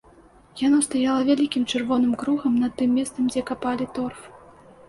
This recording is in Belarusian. Яно стаяла вялікім чырвоным кругам над тым месцам, дзе капалі торф.